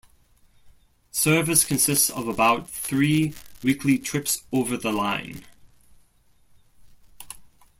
Service consists of about three trips weekly over the line.